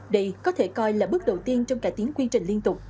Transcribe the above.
đây có thể coi là bước đầu tiên trong cải tiến quy trình liên tục